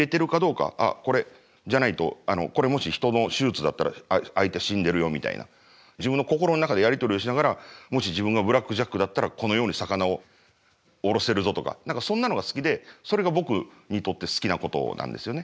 「あっこれじゃないとこれもし人の手術だったら相手死んでるよ」みたいな自分の心の中でやり取りをしながらもし自分がブラック・ジャックだったらこのように魚をおろせるぞとか何かそんなのが好きでそれが僕にとって好きなことなんですよね。